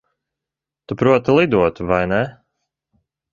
Tu proti lidot, vai ne?